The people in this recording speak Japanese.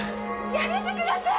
やめてください！